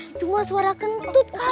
itu mah suara kentut